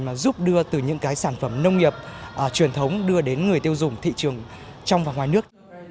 mà giúp đưa từ những cái sản phẩm nông nghiệp truyền thống đưa đến người tiêu dùng thị trường trong và ngoài nước